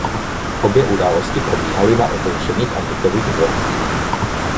Obě události probíhaly na otevřených antukových dvorcích.